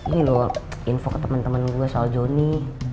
ini loh info ke temen temen gua soal jonny